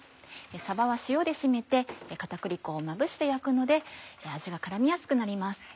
さばは塩で締めて片栗粉をまぶして焼くので味が絡みやすくなります。